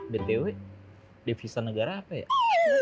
bet dewe defisa negara apa ya